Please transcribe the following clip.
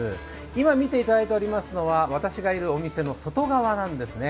今見ていただいておりますのは、私のいるお店の外側なんですね。